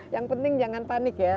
yang penting jangan panik ya